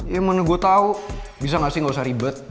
ya menu gue tau bisa gak sih gak usah ribet